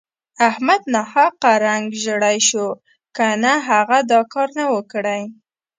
احمد ناحقه رنګ ژړی شو که نه هغه دا کار نه وو کړی.